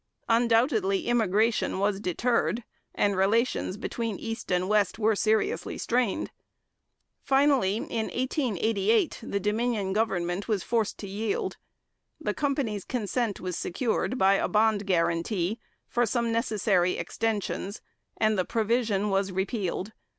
Undoubtedly immigration was deterred, and relations between East and West were seriously strained. Finally, in 1888, the Dominion government was forced to yield. The company's consent was secured by a bond guarantee for some necessary extensions, and the provision was repealed.